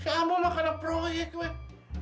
si amu mah karena proyek wek